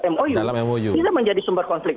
mou bisa menjadi sumber konflik